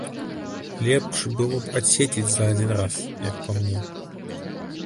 Лепш было бы адседзець за адзін раз, як па мне.